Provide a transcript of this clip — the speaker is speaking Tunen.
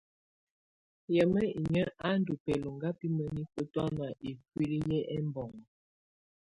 Yamɛ̀á inƴǝ́ á ndù bɛlɔŋga bi mǝnifǝ tɔ̀ána ikuili yɛ ɛmbɔŋɔ.